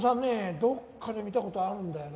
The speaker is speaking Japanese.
どこかで見た事あるんだよな。